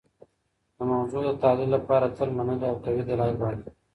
د موضوع د تحلیل لپاره تل منلي او قوي دلایل وړاندي کړئ.